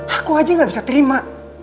aku aja gak bisa terima